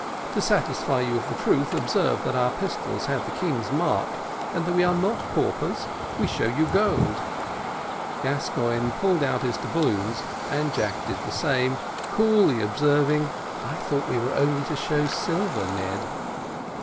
To satisfy you of the truth, observe that our pistols have the king's mark, and that we are not paupers, we show you gold." Gascoigne pulled out his doubloons and Jack did the same, coolly observing: "I thought we were only to show silver, Ned!"